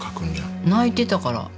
泣いてたから。